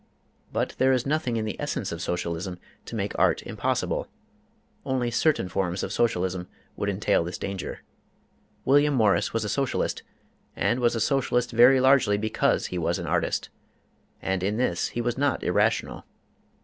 But there is nothing in the essence of Socialism to make art impossible: only certain forms of Socialism would entail this danger. William Morris was a Socialist, and was a Socialist very largely because he was an artist. And in this he was not irrational.